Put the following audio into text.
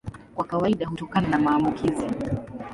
Kwa kawaida hutokana na maambukizi.